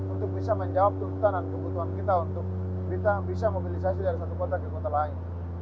untuk bisa menjawab tuntutan dan kebutuhan kita untuk kita bisa mobilisasi dari satu kota ke kota lain